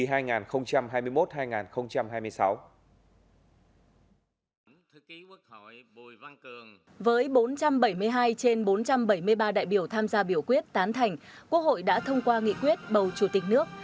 thưa ký quốc hội bùi văn cường với bốn trăm bảy mươi hai trên bốn trăm bảy mươi ba đại biểu tham gia biểu quyết tán thành quốc hội đã thông qua nghị quyết bầu chủ tịch nước